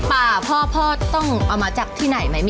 ปลาพ่อต้องเอามาจับที่ไหนไหม